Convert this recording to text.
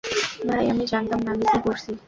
ভাই আমি জানতাম না আমি কি করছি।